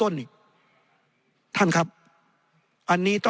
ในทางปฏิบัติมันไม่ได้